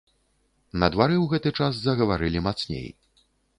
На двары ў гэты час загаварылі мацней.